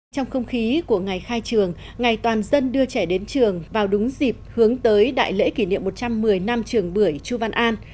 trong không khí của ngày khai trường ngày toàn dân đưa trẻ đến trường vào đúng dịp hướng tới đại lễ kỷ niệm một trăm một mươi năm trường bưởi chu văn an